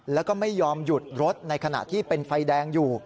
แล้วก็ไม่ยอมหยุดรถในขณะที่เป็นไฟแดงอยู่